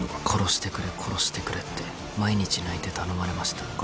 殺してくれ殺してくれって毎日泣いて頼まれました。